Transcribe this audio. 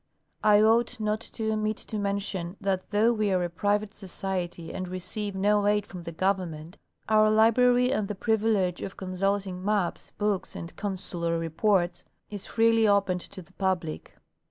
I ought not to omit to mention that though we are a private society and receive no aid from the government, our library and the privilege of consulting maps, books and consular reports is freely opened to the public.